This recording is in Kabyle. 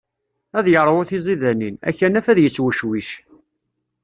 Ad yeṛwu tiẓidanin, akanaf ad yeswecwic.